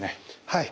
はい。